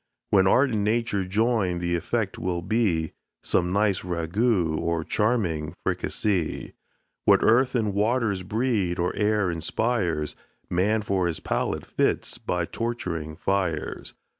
When art and nature join, the effect will be, Some nice ragout, or charming fricasee. What earth and waters breed, or air inspires, Man for his palate fits by torturing fires.